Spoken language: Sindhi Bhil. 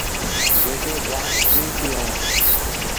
جيڪي جآم ڪيمتيٚ اهين۔